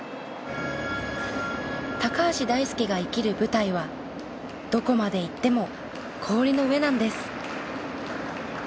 高橋大輔が生きる舞台はどこまでいっても氷の上なんです。